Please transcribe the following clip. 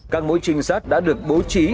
các mối trinh sát đã được bố trí